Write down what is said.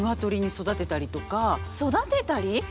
育てたり？